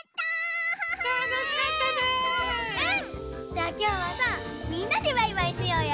じゃあきょうはさみんなでバイバイしようよ。